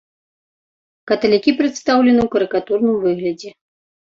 Каталікі прадстаўлены ў карыкатурным выглядзе.